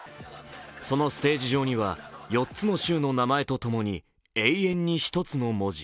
そのステージ上には、４つの州の名前とともに「永遠に一つ」の文字。